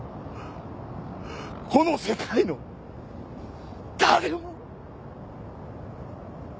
この世界の誰も。